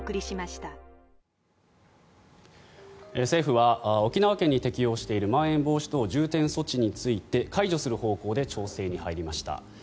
政府は沖縄県に適用しているまん延防止等重点措置について解除する方向で調整に入りました。